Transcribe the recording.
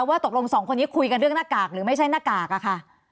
ว่าตกลงสองคนนี้คุยกันเรื่องหน้ากากหรือไม่ใช่หน้ากากอะค่ะ